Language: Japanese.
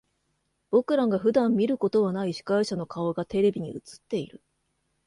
僕らが普段見ることはない司会者の顔がテレビに映っている。